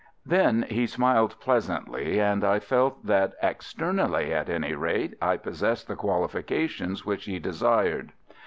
Then he smiled pleasantly, and I felt that externally at any rate I possessed the qualifications which he desired.